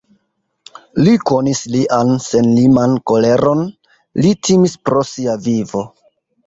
Li konis lian senliman koleron, li timis pro sia vivo.